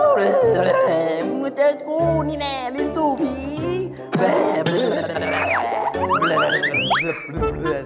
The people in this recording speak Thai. พูดเจบกูนี่แหละลิ้นสู้ผี